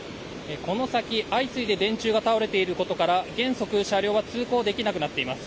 この先、相次いで電柱が倒れていることから原則、車両が通行できなくなっています。